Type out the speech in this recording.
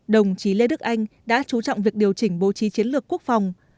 đồng chí lê đức anh đã chú trọng việc điều chỉnh bố trí chiến lược quốc phòng